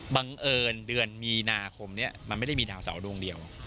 บังเอิญเดือนมีนาคมนี้มันไม่ได้มีดาวเสาดวงเดียว